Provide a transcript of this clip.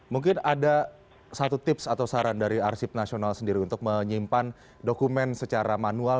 mungkin ada satu tips atau saran dari arsip nasional sendiri untuk menyimpan dokumen secara manual